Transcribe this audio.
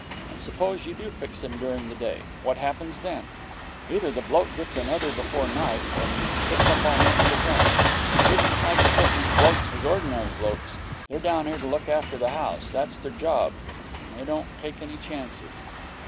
And suppose you do fix him during the day what happens then? Either the bloke gets another before night, or else he sits up all night with a gun. It isn't like as if these blokes was ordinary blokes. They're down here to look after the house. That's their job, and they don't take any chances.'